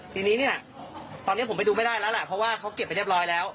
ทีนี้เนี่ยตอนนี้ผมไปดูไม่ได้แล้วแหละเพราะว่าเขาเก็บไปเรียบร้อยแล้ว